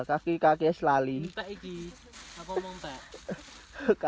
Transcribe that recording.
tidak ini apa yang mau saya lakukan